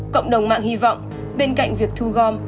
cộng đồng mạng hy vọng bên cạnh việc thu gom